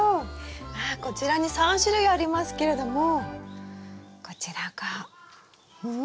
わこちらに３種類ありますけれどもこちらがうん？